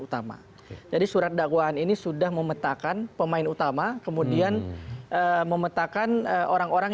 utama jadi surat dakwaan ini sudah memetakan pemain utama kemudian memetakan orang orang